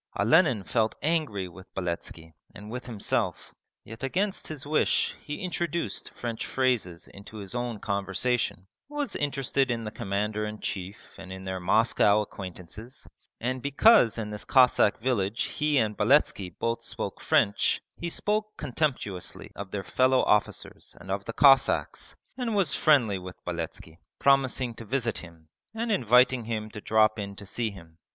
Olenin felt angry with Beletski and with himself, yet against his wish he introduced French phrases into his own conversation, was interested in the Commander in Chief and in their Moscow acquaintances, and because in this Cossack village he and Beletski both spoke French, he spoke contemptuously of their fellow officers and of the Cossacks, and was friendly with Beletski, promising to visit him and inviting him to drop in to see him.